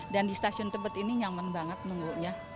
dan di stasiun tempat ini nyaman banget nunggunya